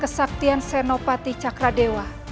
kesaktian senopati sakaradewa